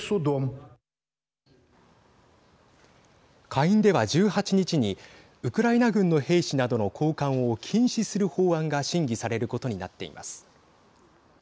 下院では、１８日にウクライナ軍の兵士などの交換を禁止する法案が審議されることになっています。